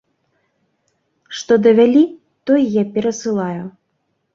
Што давялі, тое я перасылаю.